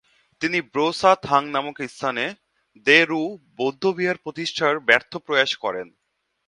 তিনি 'ব্রো-সা-থাং নামক স্থানে দ্মে-রু বৌদ্ধবিহার প্রতিষ্ঠার ব্যর্থ প্রয়াস করেন।